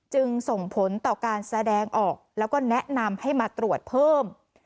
จึงส่งผลต่อการแสดงออกแล้วก็แนะนำให้มาตรวจเพิ่ม